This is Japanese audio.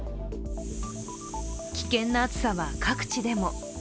危険な暑さは各地でも。